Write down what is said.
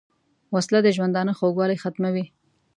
وسله د ژوندانه خوږوالی ختموي